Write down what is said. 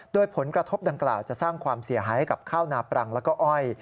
โดยผลกระทบดังกล่าวจะสร้างความเสียหายให้กับข้าวนาปรังแล้วก็อ้อย